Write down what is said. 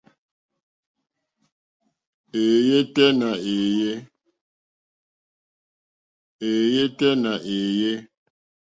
Èéyɛ́ tɛ́ nà èéyé.